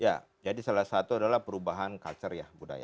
ya jadi salah satu adalah perubahan culture ya budaya